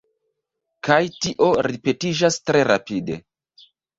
Kaj tio ripetiĝas tre rapide.